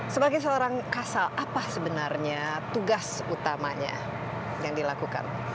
sebagai seorang kasal apa sebenarnya tugas utamanya yang dilakukan